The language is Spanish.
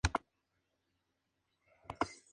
Las víctimas civiles son aún cuestión de especulación.